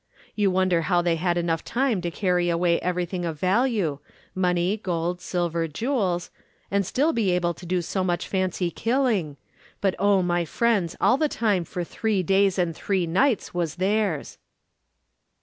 You wonder how they had enough time to carry away everything of value money, gold, silver, jewels and still be able to do so much fancy killing, but oh, my friends, all the time for three days and three nights was theirs.